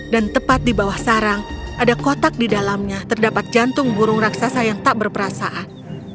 dan tepat di bawah sarang ada kotak di dalamnya terdapat jantung burung raksasa yang tak berperasaan